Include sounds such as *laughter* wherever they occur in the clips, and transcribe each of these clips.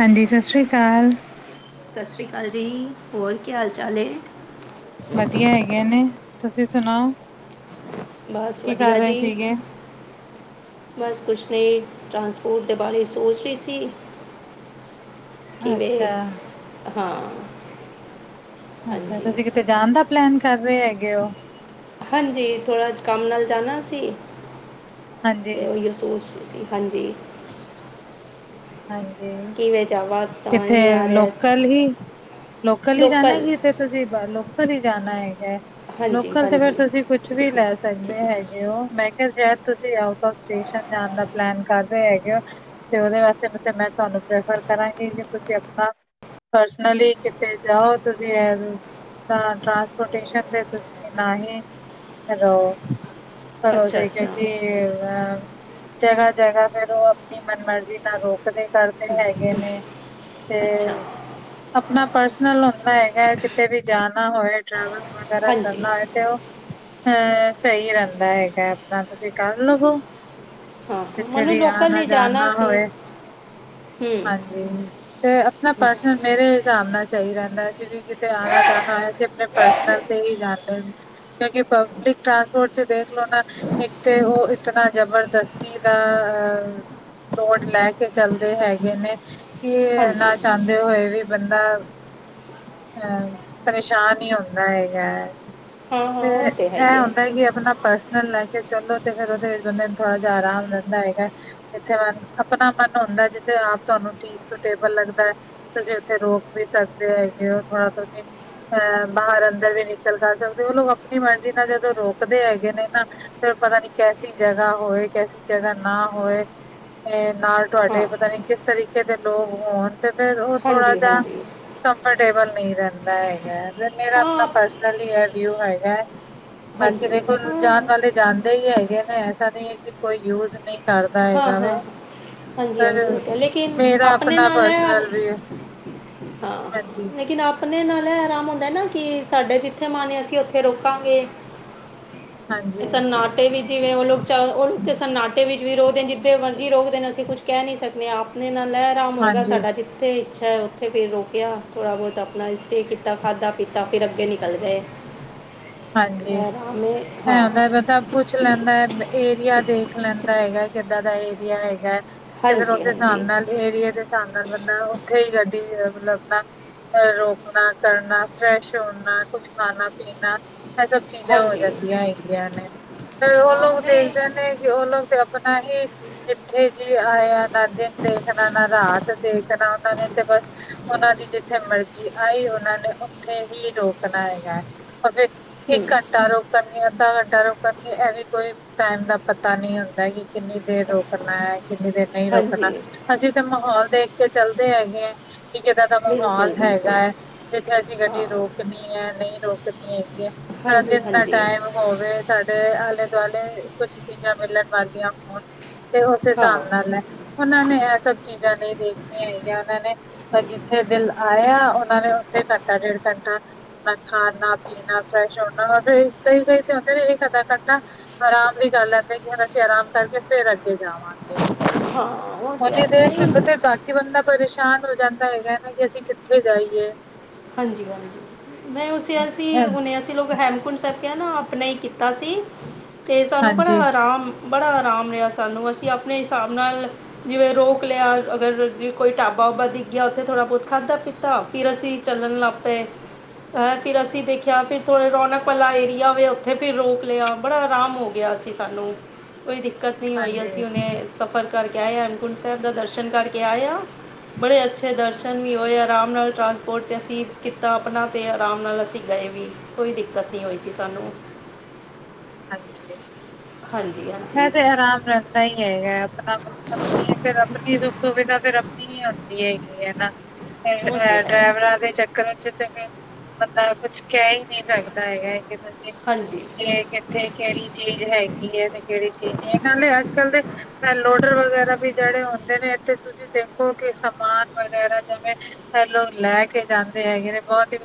ਹਾਂਜੀ, ਸਤਿ ਸ਼੍ਰੀ ਅਕਾਲ। ਸਤਿ ਸ੍ਰੀ ਅਕਾਲ ਜੀ, ਹੋਰ ਕੀ ਹਾਲ -ਚਾਲ ਹੈ? ਵਧੀਆ ਹੈਗੇ ਨੇ, ਤੁਸੀਂ ਸੁਣਾਓ? ਬਸ, ਕੀ ਕਰ ਵਧੀਆ ਰਹੇ ਜੀ। ਸੀਗੇ ਬਸ ਕੁਛ ਨਹੀਂ, ਟਰਾਂਸਪੋਰਟ ਦੇ ਬਾਰੇ ਸੋਚ ਰਹੀ ਸੀ। ਕਿਵੇਂ, ਅੱਛਾ ਹਾਂ। ਅੱਛਾ, ਹਾਂਜੀ ਤੁਸੀਂ ਕਿਤੇ ਜਾਣ ਦਾ ਪਲੈਨ, ਕਰ ਰਹੇ ਹੈਗੇ ਹੋ? ਹਾਂਜੀ, ਥੋੜ੍ਹਾ ਕੰਮ ਨਾਲ ਜਾਣਾ ਸੀ, ਹਾਂਜੀ ਤੇ ਉਹੀਓ ਸੋਚ ਰਹੀ ਸੀ। ਹਾਂਜੀ। ਹਾਂਜੀ, ਕਿਵੇਂ ਜਾਵਾਂ ਸਮਝ ਕਿੱਥੇ ਨਹੀਂ ਆ ਰਿਹਾ ਲੋਕਲ ਹੀ, ਲੋਕਲ ਹੀ ਜਾਣਾ ਕੀ, ਕਿਤੇ? ਤੁਸੀਂ ਬਾ, ਲੋਕਲ ਹੀ ਜਾਣਾ ਹੈਗਾ ਹੈ, ਹਾਂਜੀ ਲੋਕਲ ਤੇ ਫੇਰ ਹਾਂਜੀ ਤੁਸੀਂ ਕੁਛ ਕੁਛ ਵੀ ਲੈ ਸਕਦੇ ਹੈਗੇ ਹੋ, ਮੈਂ ਕਿਹਾ ਸ਼ਾਇਦ ਤੁਸੀਂ ਆਊਟ ਆਫ ਸਟੇਸ਼ਨ, ਜਾਣ ਦਾ ਪਲੈਨ ਕਰ ਰਹੇ ਹੈਗੇ ਹੋ। ਤੇ ਉਹਦੇ, ਵਾਸਤੇ ਮੈਂ ਤੁਹਾਨੂੰ ਪ੍ਰੈਫਰ ਕਰਾਂਗੀ, ਕਿ ਤੁਸੀਂ ਆਪਣਾ ਪਰਸਨਲੀ, ਕਿਤੇ ਜਾਓ ਤੁਸੀਂ ਤਾਂ, ਟਰਾਂਸਪੋਰਟੇਸ਼ਨ ਤੇ ਤੁਸੀਂ ਨਾ ਹੀ ਰਹੋ। ਅੱਛਾ ਪਰੋਜ਼ੇ, ਅੱਛਾ ਕਿਉਂਕਿ ਅ ਜਗ੍ਹਾ- ਜਗ੍ਹਾ, ਫਿਰ ਉਹ ਆਪਣੀ ਮਨ ਮਰਜ਼ੀ ਨਾਲ, ਰੋਕਦੇ ਕਰਦੇ ਹੈਗੇ ਨੇ, ਤੇ ਅੱਛਾ ਆਪਣਾ ਪਰਸਨਲ ਹੁੰਦਾ ਹੈਗਾ, ਕਿਤੇ ਵੀ ਜਾਣਾ ਹੋਏ ਟ੍ਰੈਵਲ ਵਗੈਰਾ ਹਾਂਜੀ ਕਰਨਾ ਹੋਏ ਤੇ ਉਹ, ਹ ਸਹੀ ਰਹਿੰਦਾ ਹੈਗਾ, ਆਪਣਾ ਤੁਸੀਂ ਕਰ ਲਵੋ। ਹਾਂ ਹਾਂ, ਜਿੱਥੇ ਮੈਨੂੰ ਵੀ ਲੋਕਲ ਆਨਾ ਹੀ ਜਾਣਾ -ਜਾਨਾ ਸੀ ਹੋਏ। ਹੂੰ ਹਾਂਜੀ, ਤੇ ਆਪਣਾ ਪਰਸਨਲ ਮੇਰੇ ਹਿਸਾਬ ਨਾਲ ਸਹੀ ਰਹਿੰਦਾ, ਅਸੀ ਵੀ ਕਿਤੇ ਆਉਣਾ, ਜਾਣਾ ਹੋਏ, ਅਸੀ ਆਪਣੇ ਪਰਸਨਲ ਤੇ ਹੀ ਜਾਂਦੇ। ਕਿਉਂਕਿ, ਪਬਲਿਕ ਟਰਾਂਸਪੋਰਟ ਚ ਦੇਖ ਲੋ ਨਾ ਇੱਕ ਤੇ ਉਹ ਇਤਨਾ ਜਬਰਦਸਤੀ ਦਾ ਅ ਲੋਡ ਲੈ ਕੇ ਚੱਲਦੇ ਹੈਗੇ ਨੇ, ਕੀ ਹਾਂਜੀ ਨਾ ਚਾਹੁੰਦੇ ਹੋਏ ਵੀ ਬੰਦਾ ਅ, ਪਰੇਸ਼ਾਨ ਹੀ ਹੁੰਦਾ ਹੈਗਾ ਹੈ। ਹਾਂ ਹਾਂ ਤੇ ਉਹ ਤਾਂ ਹੈ ਹੀ ਇਹ ਹੁੰਦਾ ਹੈ ਕਿ, ਆਪਣਾ ਪਰਸਨਲ ਲਾਈਫ ਚਲੋ ਤੇ ਫਿਰ, ਉਹਦੇ ਵਿੱਚ ਬੰਦੇ ਨੂੰ ਥੋੜਾ ਜਿਹਾ ਆਰਾਮ ਰਹਿੰਦਾ ਹੈਗਾ, ਜਿੱਥੇ ਮਨ ਆਪਣਾ ਮਨ ਹੁੰਦਾ, ਜਿੱਥੇ ਆਪ, ਤੁਹਾਨੂੰ ਠੀਕ ਸੁਟੇਬਲ ਲੱਗਦਾ ਹੈ। ਤੁਸੀਂ, ਉੱਥੇ ਰੋਕ ਵੀ ਸਕਦੇ ਹੈਗੇ ਹੋ, ਥੋੜਾ ਤੁਸੀਂ ਅਹ ਬਾਹਰ -ਅੰਦਰ ਵੀ ਨਿਕਲ ਕਰ ਸਕਦੇ, ਉਹ ਲੋਕ ਆਪਣੀ ਮਰਜ਼ੀ ਨਾਲ, ਜਦੋਂ ਰੋਕਦੇ ਹੈਗੇ ਨੇ ਨਾ ਫਿਰ ਪਤਾ ਨੀ, ਕੈਸੀ ਜਗ੍ਹਾ ਹੋਏ, ਕੈਸੀ ਜਗ੍ਹਾ ਨਾ, ਹੋਏ ਨਾਲ ਹਾਂ ਤੁਹਾਡੇ ਪਤਾ ਨੀ, ਕਿਸ ਤਰੀਕੇ ਦੇ ਲੋਕ ਹੋਣ ਤੇ, ਫਿਰ ਉਹ ਥੋੜਾ ਹਾਂਜੀ ਜਿਹਾ ਹਾਂਜੀ ਕੰਫਰਟੇਬਲ ਨਹੀਂ ਰਹਿੰਦਾ ਹੈਗਾ, ਮੇਰਾ ਹਾਂ ਆਪਣਾ, ਪਰਸਨਲੀ ਇਹ ਵਿਊ ਹੈਗਾ। ਬਾਕੀ ਦੇਖੋ ਜਾਣ ਵਾਲੇ ਜਾਂਦੇ ਹੀ ਹੈਗੇ ਨੇ, ਐਸਾ ਨਹੀਂ ਹੈ, ਕਿ ਕੋਈ ਯੂਜ ਨਹੀਂ ਕਰਦਾ ਹੈਗਾ ਵੇ ਹਾਂਜੀ ਪਰ -ਹਾਂਜੀ, ਲੇਕਿਨ ਮੇਰਾ ਆਪਣੇ ਆਪਣਾ ਨਾਲ ਹੈ ਹਾਂ, ਪਰਸਨਲ ਵੀ ਹਾਂਜੀ ਲੇਕਿਨ ਆਪ ਆਪਣੇ, ਨਾਲ ਏ ਆਰਾਮ ਹੁੰਦਾ ਨਾ, ਕਿ ਸਾਡੇ ਜਿੱਥੇ ਮਨ ਅਸੀਂ ਉੱਥੇ ਰੋਕਾਂਗੇ। ਹਾਂਜੀ ਸਨਾਟੇ ਵਿੱਚ, ਜਿਵੇਂ ਉਹ ਲੋਕ ਚਾ, ਉਹ ਸਨਾਟੇ ਵਿੱਚ ਵੀ ਰੋਕ ਦੇਣ ਜਿੱਦੇ ਮਰਜ਼ੀ ਰੋਕਦੇ ਨੇ ਅਸੀਂ ਕੁਛ ਕਹਿ ਨੀ ਸਕਦੇ ਆਪਣੇ ਨਾਲ ਲੈ ਆਰਾਮ ਹੋਏਗਾ ਹਾਂਜੀ ਸਾਡਾ ਜਿਤੇ ਇਛਾ ਏ ਉੱਥੇ ਫਿਰ ਰੋਕਿਆ ਥੋੜਾ ਬਹੁਤ ਆਪਣਾ ਸਟੇਅ ਕੀਤਾ ਖਾਧਾ ਪੀਤਾ ਫਿਰ ਅੱਗੇ ਨਿਕਲ ਗਏ। *unintelligible* ਹਾਂਜੀ ਇਹ ਆਰਾਮ ਹੈ ਐ ਹਾਂ ਹੁੰਦਾ ਪਤਾ ਪੁੱਛ ਲੈਂਦਾ ਹੈ। ਏਰੀਆ ਦੇਖ ਲੈਂਦਾ ਹੈਗਾ ਕਿੱਦਾਂ ਦਾ ਏਰੀਆ ਹੈਗਾ ਤੇ ਫੇਰ ਹਾਂਜੀ ਉਸ ਹਿਸਾਬ ਹਾਂਜੀ ਨਾਲ ਏਰੀਏ ਦੇ ਹਿਸਾਬ ਨਾਲ ਬੰਦਾ ਉੱਥੇ ਹੀ ਗੱਡੀ ਮਤਲਬ ਆਪਣਾ ਰੋਕਣਾ ਕਰਨਾ ਫਰੈਸ਼ ਹੋਨਾ ਕੁਛ ਖਾਣਾ ਪੀਣਾ ਇਹ ਸਭ ਚੀਜ਼ਾਂ ਹੋ ਹਾਂਜੀ ਜਾਂਦੀਆਂ ਹੈਗੀਆਂ ਨੇ ਫਿਰ ਉਹ ਹਾਂ ਲੋਕ ਨਹੀਂ ਦੇਖਦੇ ਨੇ ਕਿ ਉਹ ਲੋਕ ਆਪਣਾ ਹੀ ਜਿੱਥੇ ਜੀ ਆਏ ਆ ਨਾ ਦਿਨ ਦੇਖਣਾ ਨਾ ਰਾਤ ਦੇਖਣਾ ਉਹਨਾਂ ਨੇ ਤੇ ਬਸ ਉਹਨਾਂ ਦੀ ਜਿੱਥੇ ਮਰਜ਼ੀ ਆਈ ਉਹਨਾਂ ਨੇ ਉੱਥੇ ਹੀ ਰੋਕਣਾ ਹੈਗਾ ਫਿਰ ਹੂੰ ਇੱਕ ਘੰਟਾ ਰੋਕਣਗੇ ਅੱਧਾ ਘੰਟਾ ਰੋਕਣਗੇ ਐਵੇਂ ਕੋਈ ਟਾਈਮ ਦਾ ਪਤਾ ਨਹੀਂ ਹੁੰਦਾ ਕਿ ਕਿੰਨੀ ਦੇਰ ਰੋਕਣਾ ਹੈ ਕਿੰਨੀ ਦੇਰ ਨਹੀਂ ਰੋਕਣਾ ਹਾਂਜੀ ਅਸੀਂ ਤਾਂ ਮਾਹੌਲ ਦੇਖ ਕੇ ਚੱਲਦੇ ਹੈਗੇ ਹੈ। ਇੱਕ ਇੱਦਾਂ ਦਾ ਬਿਲਕੁਲ ਮਾਹੌਲ ਬਿਲਕੁਲ ਹੈਗਾ ਹੈ ਜਿੱਥੇ ਅਸੀਂ ਹਾਂ ਗੱਡੀ ਰੋਕਣੀ ਹੈ ਨਹੀਂ ਰੋਕਣੀ ਹੈਗੀ ਹੈ। ਹਾਂਜੀ ਦਿਨ ਦਾ ਹਾਂਜੀ ਟਾਈਮ ਹੋਵੇ ਸਾਡੇ ਆਲੇ ਦੁਆਲੇ ਕੁਛ ਚੀਜ਼ਾਂ ਮਿਲਣ ਵਾਲੀਆਂ ਹੋਣ ਤੇ ਉਸ ਹਾਂ ਹਿਸਾਬ ਨਾਲ ਹੈ ਉਹਨਾਂ ਨੇ ਇਹ ਸਭ ਚੀਜ਼ਾਂ ਨਹੀਂ ਦੇਖਣੀਆਂ ਹੈਗੀਆਂ ਉਹਨਾਂ ਨੇ ਜਿੱਥੇ ਦਿਲ ਆਇਆ ਉਹਨਾਂ ਨੇ ਉੱਥੇ ਘੰਟਾ ਡੇਢ ਘੰਟਾ ਨਾ ਖਾਨਾ ਪੀਣਾ ਫਰੈਸ਼ ਹੋਣਾ ਕਈ ਕਈ ਤੇ ਹੁੰਦੇ ਨਾ ਇੱਕ ਅੱਧਾ ਘੰਟਾ ਆਰਾਮ ਵੀ ਕਰ ਲੈਂਦੇ ਕਿ ਹਨ ਅਸੀਂ ਆਰਾਮ ਕਰਕੇ ਫਿਰ ਅੱਗੇ ਜਾਵਾਂਗੇ। ਹਾਂ ਉਹ ਓਣੀ ਦੇਰ ਚ ਉਥੇ ਬਸ ਕਿ ਬੰਦਾ ਪਰੇਸ਼ਾਨ ਹੋ ਜਾਂਦਾ ਹੈਗਾ, ਨਾ ਕਿ ਅਸੀਂ ਕਿੱਥੇ ਜਾਈਏਂ। ਹਾਂਜੀ-ਹਾਂਜੀ, ਨਹੀਂ ਔ ਅਸੀਂ ਹੁਨ ਅਸੀਂ ਲੋਕ ਹੈਮਕੁੰਡ ਸਾਹਿਬ ਕਿਹਾ ਨਾ ਆਪਣੇ ਹੀ ਕੀਤਾ ਸੀ ਤੇ ਸਾਨੂੰ ਬੜਾ ਹਾਂਜੀ ਆਰਾਮ, ਬੜਾ ਆਰਾਮ ਰਿਹਾ ਸਾਨੂੰ ਅਸੀਂ ਆਪਣੇ ਹਿਸਾਬ ਨਾਲ ਜਿਵੇਂ ਰੋਕ ਲਿਆ, ਅਗਰ ਕੋਈ ਢਾਬਾ ਉਬਾ ਦਿਖ ਗਿਆ ਉੱਥੇ ਥੋੜਾ ਬਹੁਤ ਖਾਧਾ ਪੀਤਾ, ਫਿਰ ਅਸੀਂ ਚੱਲਣ ਲੱਗ ਪਏ। ਅ ਫਿਰ ਅਸੀਂ ਦੇਖਿਆ, ਫਿਰ ਥੋੜ੍ਹੇ ਰੌਣਕ ਵਾਲਾ ਏਰੀਆ ਹੋਵੇ, ਉੱਥੇ ਫਿਰ ਰੋਕ ਲਿਆ ਬੜਾ ਆਰਾਮ ਹੋ ਗਿਆ ਅਸੀਂ ਸਾਨੂੰ ਕੋਈ ਦਿੱਕਤ ਨਹੀਂ ਹੋਈ ਹਾਂਜੀ ਅਸੀਂ ਉਹਨੇ ਸਫ਼ਰ ਕਰਕੇ ਆਏ ਆ, ਹੇਮਕੁੰਟ ਸਾਹਿਬ ਦਾ ਦਰਸ਼ਨ ਕਰਕੇ ਆਏ ਆ। ਬੜੇ ਅੱਛੇ ਦਰਸ਼ਨ ਵੀ ਹੋਏ ਆਰਾਮ ਨਾਲ ਪੋਟ ਤੇ ਅਸੀਂ ਕੀਤਾ ਆਪਨਾ ਤੇ ਆਰਾਮ ਨਾਲ ਅਸੀਂ ਗਏ ਵੀ, ਕੋਈ ਦਿੱਕਤ ਨਈ ਹੋਈ ਸੀ ਸਾਨੂੰ। ਹਾਂਜੀ, ਹਾਂਜੀ ਮੈਂ ਹਾਂਜੀ ਤੇ ਆਰਾਮ ਰੈਂਦਾ ਈ ਹੈਗੈ। ਆਪਨਾ, ਮਤਲਬ ਫੇਰ ਆਪਨੀ ਸੁਖ-ਸੁਵਿਧਾ ਫੇਰ ਆਪਨੀ ਹੀ ਹੋਂਦੀ ਹੈਗੀ ਏ ਨਾ। ਫ ਉਹ ਤਾਂ ਐ ਹੈ ਡਰਾਏਵਰਾ ਦੇ ਚੱਕਰਾ ਚ ਤੇ ਫੇਰ ਬੰਦਾ ਕੁਛ ਕੈ ਈ ਨੀ ਸਕਦਾ ਹੈਗੈ ਐ ਕਿ ਤੁਸੀਂ ਹਾਂਜੀ ਇਥੇ ਕੇੜੀ ਚੀਜ ਹੈਗੀ ਏ ਤੇ ਕੇੜੀ ਚੀਜ਼ ਨੀ ਏ, ਨਾਲੇ ਆੱਜ-ਕੱਲ ਦੇ ਲੋਡਰ ਵਗੈਰਾ ਵੀ ਜੇੜੇ ਹੋਂਦੇ ਨੇ, ਏਥੇ ਤੁਸੀਂ ਦੇਖੋ ਕਿ ਸਮਾਨ ਵਗੈਰਾ ਜਿਵੇਂ ਐ ਲੋਕ ਲੈ ਕੇ ਜਾਂਦੇ ਹੈਗੇ ਨੇ ਬੋਤ ਈ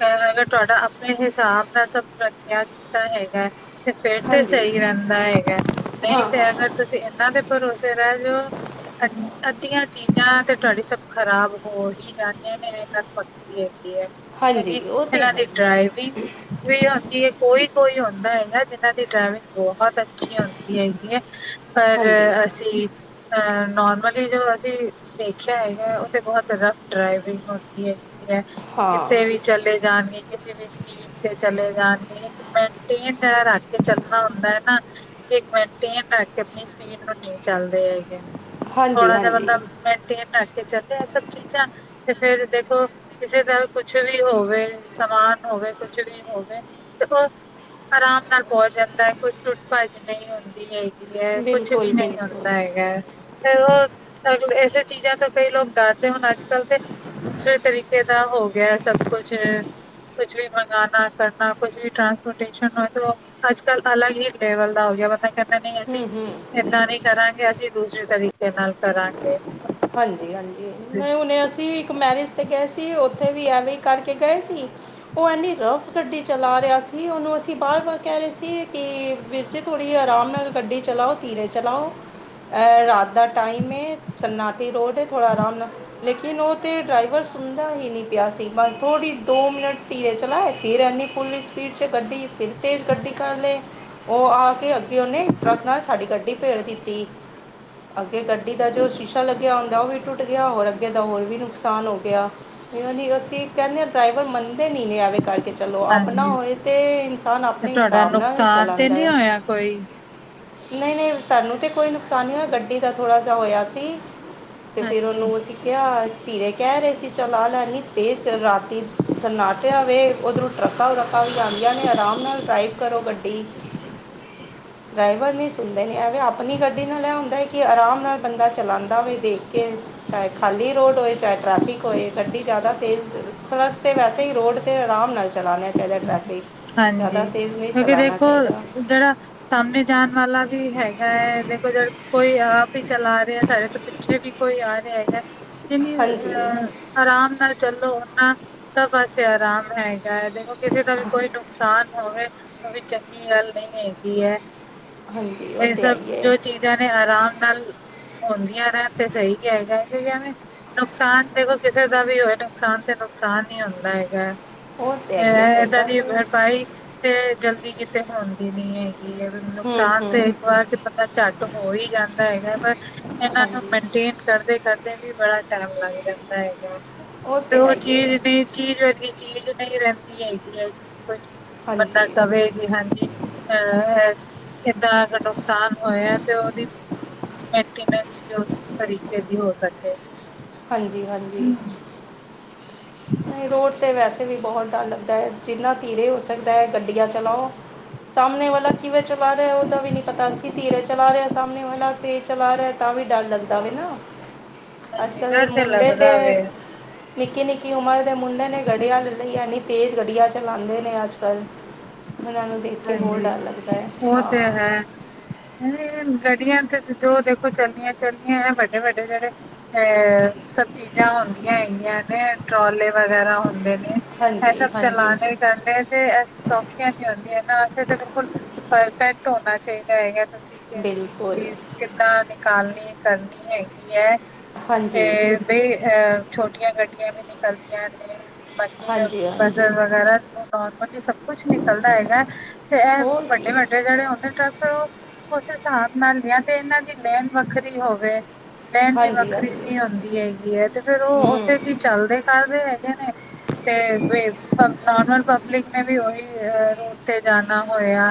ਤੇ ਤੁਆਡਾ ਆਪਨੇ ਹਿਸਾਬ ਨਾਲ ਸਬ ਰੱਖੇਆ ਕੀਤਾ ਹੈਗੈ। ਤੇ ਫੇਰ ਤੇ ਹਾਂਜੀ ਸਹੀ ਰੈਂਦਾ ਐਗੈ, ਨਈ ਹਾਂ ਤੇ ਹਾਂ ਅਗਰ ਤੁਸੀਂ ਐਨਾ ਦੇ ਭਰੋਸੇ ਰੈ ਜੋ ਅੱਦੀਆਂ ਚੀਜ਼ਾਂ ਤੇ ਤੁਆਡੀ ਸਬ ਖ਼ਰਾਬ ਹੋ ਹੀ ਜਾਂਣੀਆਂ ਨੇ ਏ ਗਾੱਲ *unintelligible* ਹਾਂਜੀ ਹੈਗੀ ਉਹ ਤਾਂ ਏਨਾਂ ਹੈ ਦੀ ਡ੍ਰਾਈਵਿੰਗ ਵੀ ਔਂਦੀ ਕੋਈ-ਕੋਈ ਹੋਂਦਾ ਏ ਜਿਨਾਂ ਦੀ ਡ੍ਰਾਵਿੰਗ ਬੋਹਤ ਅੱਛੀ ਹੋਂਦੀ ਹੈਗੀ ਏ, ਪਰ ਹਾਂਜੀ ਅਸੀਂ ਅ, ਨੋਰਮਲੀ ਜੋ ਅਸੀਂ ਦੇਖੇਆ ਹੈਗੈ ਓ ਤੇ ਬੋਤ ਰਫ ਡਰਾਈਵਿੰਗ ਹੋਂਦੀ ਹੈਗੀ ਹਾਂ ਕਿਥੇ ਵੀ ਚਲੇ ਜਾਨਗੇ, ਕਿਸੇ ਵੀ ਸਿਪੀਡ ਤੇ ਚਲੇ ਜਾਨਗੇ ਇੱਕ ਮੇਨਟੇਨ ਰੱਖ ਕੇ ਚੱਲਣਾ ਹੁੰਦਾ ਹੈ ਨਾ। ਮੈਂਟੇਨ ਰਾੱਖ ਕੇ ਅਪਨੀ ਸਿਪੀਡ ਨੂੰ ਨਈ ਚੱਲਦੇ ਹੈਗੇ। ਹਾਂਜੀ ਥੋੜਾ ਜਾ ਬੰਦਾ, ਹਾਂਜੀ ਮੇਨਟੇਨ ਰੱਖ ਕੇ ਚੱਲੇ ਐ ਸਬ ਚੀਜਾ ਤੇ ਫੇਰ ਦੇਖੋ, ਕਿਸੇ ਦਾ ਕੁਛ ਵੀ ਹੋਵੇ ਸਮਾਨ ਹੋਵੇ ਕੁਛ ਵੀ ਹੋਵੇ ਤੇ ਓ ਅਰਾਮ ਨਾਲ ਪੋਹਂਚ ਜਾਂਦੈ, ਕੋਈ ਟੁੱਟ-ਭੱਜ ਨਈ ਹੋਂਦੀ ਹੈ। ਕੀ ਐ, ਕੁੱਛ ਵੀ ਬਿਲਕੁਲ ਨਈ ਹੋਂਦਾ ਬਿਲਕੁਲ ਹੈਗੈ। ਫੇਰ ਓ, *unintelligible* ਐਸੇ ਚੀਜਾ ਤੋਂ ਕਈ ਲੋਕ ਡਰਦੇ ਹੋਨ ਆੱਜ-ਕੱਲ ਤੇ ਦੂਸਰੇ ਤਰੀਕੇ ਦਾ ਹੋ ਗਿਆ ਸਭ ਕੁਛ ਆ। ਕੁਛ ਵੀ ਮੰਗਾਣਾ ਕਰਨਾ ਕੁਛ ਵੀ ਟਾਂਸਪੋਰਟ ਅੱਜ ਕੱਲ ਅਲੱਗ ਹੀ ਲੇਵਲ ਦਾ ਹੋ ਗਿਆ ਬੰਦਾ ਕਹਿੰਦੇ ਨਹੀਂ ਅਸੀਂ ਹੂੰ ਹੂੰ ਇੱਦਾਂ ਨੀ ਕਰਾਂਗੇ ਅਸੀਂ ਦੂਸਰੇ ਤਰੀਕੇ ਨਾਲ ਕਰਾਂਗੇ। ਹਾਂਜੀ ਹਾਂਜੀ ਨਹੀਂ ਹੁਨੇ ਅਸੀਂ ਇੱਕ ਮੈਰਿਜ 'ਤੇ ਗਏ ਸੀ ਉੱਥੇ ਵੀ ਐਵੇਂ ਹੀ ਕਰਕੇ ਗਏ ਸੀ। ਉਹ ਐੰਨੀ ਰਫ ਗੱਡੀ ਚਲਾ ਰਿਹਾ ਸੀ ਉਹਨੂੰ ਅਸੀਂ ਬਾਰ ਵਾਰ ਕਹਿ ਰਹੇ ਸੀ ਕਿ ਵੀਰ ਜੀ ਥੋੜ੍ਹੀ ਆਰਾਮ ਨਾਲ ਗੱਡੀ ਚਲਾਓ ਥੀਰੇ ਚਲਾਓ। ਐ ਰਾਤ ਦਾ ਟਾਈਮ ਹੈ ਸਨਾਟੀ ਰੋਡ ਹੈ ਥੋੜ੍ਹਾ ਆਰਾਮ ਨਾਲ ਲੇਕਿਨ ਉਹ ਤਾਂ ਡਰਾਈਵਰ ਸੁਣਦਾ ਹੀ ਨਹੀਂ ਪਿਆ ਸੀ ਬਸ ਥੋੜ੍ਹੀ ਦੋ ਮਿੰਟ ਧੀਰੇ ਚਲਾਏ ਫਿਰ ਐੰਨੀ ਫੁਲ ਸਪੀਡ ਚ ਗੱਡੀ ਫਿਰ ਤੇਜ ਗੱਡੀ ਕਰਲੀ ਉਹ ਆ ਕੇ ਅੱਗੇ ਉਹਨੇ ਟਰੱਕ ਨਾਲ ਸਾਡੀ ਗੱਡੀ ਭੇੜ ਦਿੱਤੀ। ਅੱਗੇ ਗੱਡੀ ਦਾ ਜੋ ਸ਼ੀਸ਼ਾ ਲੱਗਿਆ ਹੁੰਦਾ ਉਹ ਵੀ ਟੁੱਟ ਗਿਆ ਹੋਰ ਅੱਗੇ ਦਾ ਹੋਰ ਵੀ ਨੁਕਸਾਨ ਹੋ ਗਿਆ। ਅਸੀਂ ਕਹਿੰਦੇ ਹ ਡਰਾਈਵਰ ਮੰਨਦੇ ਨੀ ਨੇ ਆਵੇ ਕਰਕੇ ਚਲੋ ਆਪਣਾ ਹਾਂਜੀ ਹੋਏ ਤਾਂ ਇਨਸਾਨ ਤੇ ਆਪਣੇ ਤੁਹਾਡਾ ਹਿਸਾਬ ਨਾਲ ਨੁਕਸਾਨ ਤੇ ਚਲਾਂਦਾ ਨਹੀਂ ਹੈ। ਹੋਇਆ ਕੋਈ ਨਹੀਂ ਨਹੀਂ ਸਾਨੂੰ ਤੇ ਕੋਈ ਨੁਕਸਾਨ ਨਹੀਂ ਹੋਇਆ ਗੱਡੀ ਦਾ ਥੋੜ੍ਹਾ ਜਿਹਾ ਹੋਇਆ ਸੀ। ਤੇ ਫਿਰ ਹਾਂਜੀ ਉਹਨੂੰ ਅਸੀਂ ਕਿਹਾ ਥੀਰੇ ਕਹਿ ਰਹੇ ਸੀ ਚਲਾ ਲੈ ਇਨੀ ਤੇਜ ਰਾਤੀ ਸਨਾਟ ਆ ਵ ਉਧਰੋਂ ਟਰਕਾ ਵਰਕਾ ਵੀ ਆਉਂਦੀਆਂ ਨੇ ਆਰਾਮ ਨਾਲ ਡਰਾਈਵ ਕਰੋ ਗੱਡੀ। ਡਰਾਈਵਰ ਨਹੀਂ ਸੁਣਦੇ ਨੇ ਐਵੇਂ ਆਪਣੀ ਗੱਡੀ ਨਾਲ ਇਹ ਹੁੰਦਾ ਹੈ ਕਿ ਆਰਾਮ ਨਾਲ ਬੰਦਾ ਚਲਾਉਂਦਾ ਵੀ ਦੇਖ ਕੇ। ਚਾਹੇ ਖਾਲੀ ਰੋਡ ਹੋਏ ਚਾਹੇ ਟਰੈਫਿਕ ਹੋਏ ਗੱਡੀ ਜ਼ਿਆਦਾ ਤੇਜ਼ ਸੜਕ ਤੇ ਵੈਸੇ ਹੀ ਰੋਡ ਆਰਾਮ ਨਾਲ ਚਲਾਉਣਾ ਚਾਹੀਦਾ ਟਰੈਫਿਕ ਜ਼ਿਆਦਾ ਹਾਂਜੀ ਤੇਜ਼ ਨਹੀਂ ਕਿਉਂਕਿ ਚਲਾਉਣਾ ਦੇਖੋ ਚਾਹੀਦਾ। ਜਿਹੜਾ ਸਾਹਮਣੇ ਜਾਣ ਵਾਲਾ ਵੀ ਹੈਗਾ ਹੈ ਦੇਖੋ ਜਦ ਕੋਈ ਆਪ ਵੀ ਚਲਾ ਰਿਹਾ ਆ ਸਾਡੇ ਤੋਂ ਪਿੱਛੇ ਵੀ ਕੋਈ ਆ ਰਿਹਾ ਹੈਗਾ ਜਿੰਨੀ ਹਾਂਜੀ ਅਹ ਆਰਾਮ ਨਾਲ ਚੱਲੋ ਓਨਾ ਸਭ ਪਾਸੇ ਆਰਾਮ ਹੈਗਾ ਹੈ। ਦੇਖੋ ਕਿਸੇ ਦਾ ਵੀ ਕੋਈ ਨੁਕਸਾਨ ਹੋਵੇ ਤਾਂ ਵੀ ਚੰਗੀ ਗੱਲ ਨਹੀਂ ਹੈਗੀ ਹੈ ਹਾਂਜੀ ਉਹ ਇਹ ਤਾਂ ਹੈ ਸਭ ਹੀ ਹੈ ਜੋ ਚੀਜ਼ ਜਾਣੇ ਆਰਾਮ ਨਾਲ ਆਉਦੀਆਂ ਰਹਿਣ ਤੇ ਸਹੀ ਹੈਗਾ ਕਿਊਕਿ ਐਵੇ ਨੁਕਸਾਨ ਦੇਖੋ ਕਿਸੇ ਦਾ ਵੀ ਹੋਵੇ ਨੁਕਸਾਨ ਤੇ ਨੁਕਸਾਨ ਹੀ ਹੁੰਦਾ ਹੈਗਾ ਉਹ ਤਾਂ ਹੈ ਹੀ ਹੈ ਸਹੀ ਇਏਦਾਂ ਗੱਲ ਦੀ ਹੈ ਭਰਪਾਈ ਤੇ ਜਲਦੀ ਕਿਤੇ ਹੁੰਣਦੀ ਨੀ ਹੈਗੀ ਹੈ ਹੂੰ ਨੁਕਸਾਨ ਹੂੰ ਤੇ ਇੱਕ ਵਾਰ ਜ ਬੰਦਾ ਝੱਟ ਹੋ ਹੀ ਜਾਂਦਾ ਹੈਗਾ ਪਰ ਇਹਨਾਂ ਨੂੰ ਹਾਂਜੀ ਮੇਨਟੇਨ ਕਰਦੇ ਕਰਦੇ ਵੀ ਬੜਾ ਟਾਈਮ ਲੱਗ ਜਾਂਦਾ ਹੈਗਾ ਤੇ ਤਾਂ ਹੈ ਉਹ ਹੀ ਚੀਜ਼ ਹੈ ਦੀ ਚੀਜ਼ ਵਰਗੀ ਚੀਜ਼ ਨਹੀਂ ਰਹਿੰਦੀ ਹੈਗੀ ਹੈ ਕਿ ਕੁਛ ਬੰਦਾ ਹਾਂਜੀ ਕਵੇ ਕਿ ਹਾਂਜੀ ਅਹ ਏਦਾਂ ਅ ਨੁਕਸਾਨ ਹੋਇਆ ਤੇ ਉਹਦੀ ਮੈਂਟੈਂਸ ਵੀ ਉਸ ਤਰੀਕੇ ਦੀ ਹੋ ਸਕੇ ਹਾਂਜੀ ਹਾਂਜੀ ਨਹੀਂ ਰੋਡ ਤੇ ਵੈਸੇ ਵੀ ਬਹੁਤ ਡਰ ਲੱਗਦਾ ਹੈ ਜਿੰਨਾ ਧੀਰੇ ਹੋ ਸਕਦਾ ਹੈ ਗੱਡੀਆਂ ਚਲਾਓ ਸਾਹਮਣੇ ਵਾਲਾ ਕਿਵੇ ਚ ਬਾਹਹਾ ਉਹਦਾ ਵੀ ਨੀ ਪਤਾ ਸੀ ਧੀਰੇ ਚਲਾ ਰਿਹਾ ਸਾਹਮਣੇ ਵਾਲਾ ਤੇਜ਼ ਚਲਾ ਰਿਹਾ ਤਾਂ ਵੀ ਡਰ ਲੱਗਦਾ ਵੇ ਨਾ ਅੱਜ ਹਾਂਜੀ ਡਰ ਕੱਲ੍ਹ ਮੁੰਡੇ ਤੇ ਲੱਗਦਾ ਵੇ ਨਿੱਕੇੀ ਨਿੱਕੀ ਕੀ ਉਮਰ ਦੇ ਮੁੰਡੇ ਨੇ ਗੱਡੀਆਂ ਲੈ ਲਈ ਇੰਨੀ ਤੇਜ਼ ਗੱਡੀਆਂ ਚਲਾਉਂਦੇ ਨੇ ਅੱਜ ਕੱਲ੍ਹ ਉਹਨਾਂ ਨੂੰ ਦੇਖ ਕੇ ਹੋਰ ਹਾਂਜੀ ਡਰ ਲੱਗਦਾ ਹੈ ਉਹ ਹਾਂ ਤੇ ਹੈ ਗੱਡੀਆਂ ਤੇ ਜੋ ਦੇਖੋ ਚੱਲੀਆਂ ਚੱਲਣੀਆਂ ਵੱਡੇ ਵੱਡੇ ਜਿਹੜੇ ਅ ਸਭ ਚੀਜ਼ਾਂ ਹੁੰਦੀਆਂ ਹੈਗੀਆਂ ਨੇ ਟਰੋਲੇ ਵਗੈਰਾ ਹੁੰਦੇ ਨੇ ਇਹ ਹਾਂਜੀ ਸਭ ਹਾਂਜੀ ਚਲਾਣੇ ਕਰਨੇ ਤੇ ਇਹ ਸੌਖੀਆਂ ਨੀ ਹੁੰਦੀਆਂ ਵ ਬਿਲਕੁਲ ਪਰਫੈਕਟ ਹੋਣਾ ਚਾਹੀਦਾ ਹੈਗਾ ਤੁਸੀਂ ਬਿਲਕੁਲ ਕਿੱਦਾਂ ਨਿਕਾਲਨੀ ਕਰਨੀ ਹੈਗੀ ਹੈ ਹਾਂਜੀ ਤੇ ਬ ਅਹ ਛੋਟੀਆਂ ਗੱਡੀਆਂ ਵੀ ਨਿਕਲਦੀਆਂ ਨੇ ਬਾਕੀ ਹਾਂਜੀ ਹਾਂਜੀ ਬਜ਼ਰ ਵਗੈਰਾ ਨੂੰ ਨੋਰਮਲੀ ਸਭ ਕੁਛ ਨਿਕਲਦਾ ਹੈਗਾ ਤੇ ਇਹ ਹੋਰ ਵੱਡੇ ਕੀ ਵੱਡੇ ਜਿਹੜੇ ਹੁੰਦੇ ਟਰੈਕਟਰ ਉਹ ਉਸ ਹਿਸਾਬ ਨਾਲ ਲਿਆਂ ਤੇ ਇਹਨਾਂ ਦੀ ਲੇਣ ਵੱਖਰੀ ਹੋਵੇ ਲੈਣ ਵੀ ਹਾਂਜੀ ਵੱਖਰੀ ਹਾਂਜੀ ਨ ਹੁੰਦੀ ਹੈਗੀ ਹੈ ਤੇ ਫੇਿਰ ਉਹ ਹੂੰ ਉੱਥੇ ਕੀ ਚੱਲਦੇ ਕਰਦੇ ਹੈਗੇ ਨੇ ਤੇ ਨੋਰਮਲ ਪਬਲਿਕ ਨੇ ਵੀ ਉਹੀ ਰੋ ਉੱਤੇ ਜਾਣਾ ਹੋਇਆ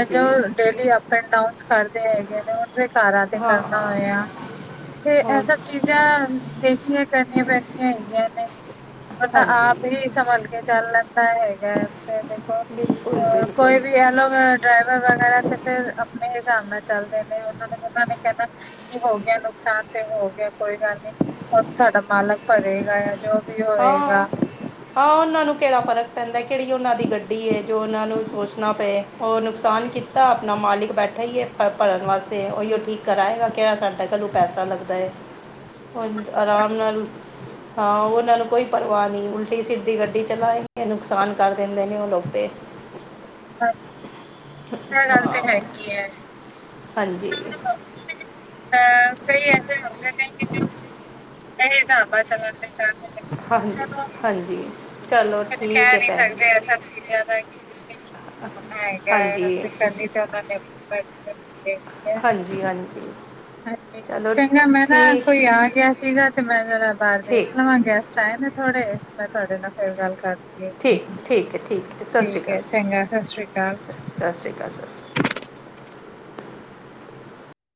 ਇਹ ਜੋ ਡੇਲੀ ਅਪ ਐਂਡ ਡਾਊਨਸ ਕਰਦੇ ਹੈਗੇ ਨੇ ਕਾਰਾਂ ਤੇ ਹਾਂ ਕਰਨਾ ਹਾਂ ਹੋਇਆ ਤੇ ਇਹ ਹੋਰ ਸਭ ਚੀਜ਼ਾਂ ਦੇਖਣੀਆਂ ਕਰਨੀਆਂ ਪੈਂਦੀਆਂ ਹੈਗੀਆਂ ਨੇ ਕਿ ਹ ਤਾਂ ਹਾਂਜੀ ਆਪ ਹੀ ਸੰਭਾਲ ਕੇ ਚੱਲ ਲੈਂਦਾ ਹੈਗਾ ਫ ਦੇਖੋ ਬਿਲਕੁਲ ਬਿਲਕੁਲ ਕ ਲ ਡਰਾਈਵਰ ਵਗੈਰਾ ਤੇ ਫਿਰ ਆਪਣੇ ਹਿਸਾਬ ਨਾਲ ਚੱਲਦੇ ਨੇ ਉਹਨਾਂ ਨੇ ਉਹਨਾਂ ਨੇ ਕਹਿਣਾ ਕੀ ਹੋ ਗਿਆ ਨੁਕਸਾਨ ਤੇ ਹੋ ਗਿਆ ਕੋਈ ਗੱਲ ਨੀ ਰ ਸਾਡਾ ਮਾਲਕ ਭਰੇਗਾ ਆ ਜੋ ਵੀ ਹੋਏਗਾ ਹਾਂ ਹਾਂ ਉਹਨਾਂ ਨੂੰ ਕਿਹੜਾ ਫਰਕ ਪੈਂਦਾ ਕਿਹੜੀ ਉਹਨਾਂ ਦੀ ਗੱਡੀ ਹੈ ਜੋ ਉਹਨਾਂ ਨੂੰ ਸੋਚਣਾ ਪਏ ਉਹ ਨੁਕਸਾਨ ਕੀਤਾ ਆਪਣਾ ਮਾਲਿਕ ਬੈਠੇ ਹੀਏ ਭਰਨ ਵਾਸਤੇ ਉਹੀਓ ਠੀਕ ਕਰਾਏਗਾ ਕਿਹੜਾ ਸਾਡਾਕਲ ਪੈਸਾ ਲੱਗਦਾ ਹੈ ਉਹ ਆਰਾਮ ਹਾਂਜੀ-ਹਾਂਜੀ। ਨਾਲ ਹਾਂ ਉਹ ਨਾਲ ਕੋਈ ਪਰਵਾਹ ਨਹੀਂ ਉਲਟੀ ਸੀਟ ਦੀ ਗੱਡੀ ਚਲਾਏ ਨੇ ਨੁਕਸਾਨ ਕਰ ਦਿੰਦੇ ਨੇ ਉਹ ਲੋਕ ਤੇ ਹਾਂਜੀ ਇਹ ਗੱਲ ਤਾਂ ਹੈਗੀ ਹੈ ਹਾਂਜੀ ਅ ਕਈ ਐਸੇ ਹੁੰਦੇ ਨੇ ਕਿ ਜੋ ਇਹ ਹਿਸਾਬਾ ਚੱਲਣ ਦੇ ਕਾਰਨ ਹਾਂਜੀ ਹਾਂਜੀ ਚਲੋ ਕੁਛ ਠੀਕ ਕਹਿ ਹੈ ਨੀ ਭੈਣ ਜੀ। ਸਕਦੇ ਆ ਸਭ ਚੀਜ਼ਾਂ ਦਾ ਕਿ ਕਿੱਥੇ ਹੋਣਾ ਹੈਗਾ ਹਾਂਜੀ ਕਰਨੀ ਤੇ ਉਹਨਾਂ ਨੇ ਆਪਣੀ ਮਰਜ਼ੀ ਹੁੰਦੀ ਹੈਗੀ ਹੈ ਹਾਂਜੀ ਹਾਂਜੀ ਹਾਂਜੀ ਚਲੋ ਚੰਗਾ ਮੈਂ ਨਾ ਠੀਕ ਕੋਈ ਆ ਗਿਆ ਸੀਗਾ ਤੇ ਮੈਂਹਰਾ ਬਾਹਰ ਠੀਕ ਦੇਖ ਲਵਾਂ ਗੈਸਟ ਟ ਨੇ ਥੋੜੇ ਮੈਂ ਤੁਹਾਡੇ ਨਾਲ ਫੇਰ ਗੱਲ ਕਰ ਠੀਕ, ਠੀਕ ਹੈ, ਠੀਕ ਹੈ, ਸਤਿ ਸ਼੍ਰੀ ਅਕਾਲ, ਹੈ ਚੰਗਾ ਸਤਿ ਸ੍ਰੀ ਅਕਾਲ ਸਤਿ ਸ਼੍ਰੀ ਅਕਾਲ, ਸਤਿ ਸ਼੍ਰੀ ਅਕਾਲ।